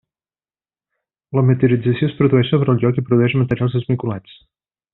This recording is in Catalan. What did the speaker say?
La meteorització es produeix sobre el lloc, i produeix materials esmicolats.